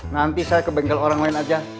nanti saya ke bengkel orang lain aja